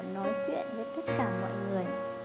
nói chuyện với tất cả mọi người